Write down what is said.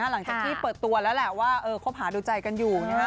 หลังจากที่เปิดตัวแล้วแหละว่าคบหาดูใจกันอยู่